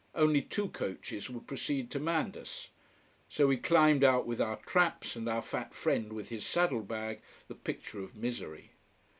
Only two coaches would proceed to Mandas. So we climbed out with our traps, and our fat friend with his saddle bag, the picture of misery.